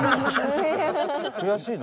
悔しいの？